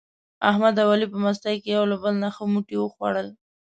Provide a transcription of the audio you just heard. احمد او علي په مستۍ کې یو له بل نه ښه موټي و خوړل.